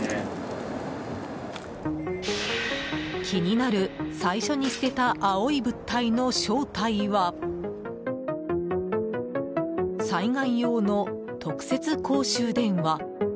気になる、最初に捨てた青い物体の正体は災害用の特設公衆電話。